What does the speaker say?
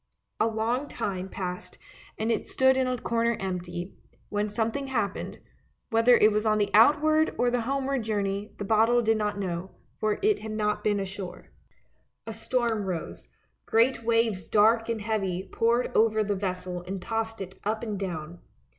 A long time passed and it stood in a corner empty, when something happened — whether it was on the outward or the homeward journey, the bottle did not know, for it had not been ashore. A storm rose, great waves dark and heavy poured over the vessel and tossed it up and down.